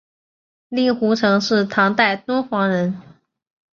令狐澄是唐代敦煌人。